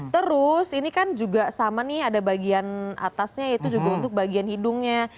terus ini kan juga sama nih ada bagian atasnya itu juga untuk bagian hidungnya